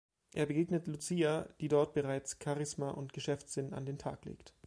Er begegnet Lucia, die dort bereits Charisma und Geschäftssinn an den Tag legt.